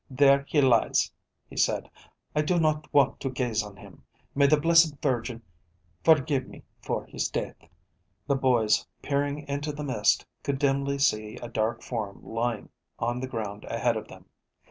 "There he lies," he said. "I do not want to gaze on him. May the Blessed Virgin forgive me for his death." The boys, peering into the mist, could dimly see a dark form lying on the ground ahead of them.